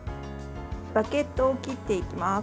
バゲットを切っていきます。